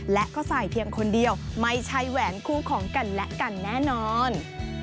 และก็ใส่เพียงคนเดียวไม่ใช่แหวนคู่ของกันและกันแน่นอน